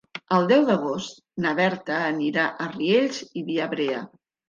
El deu d'agost na Berta anirà a Riells i Viabrea.